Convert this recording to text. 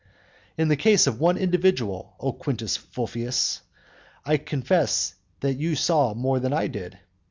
In the case of one individual, O Quintus Fufius, I confess that you saw more than I did.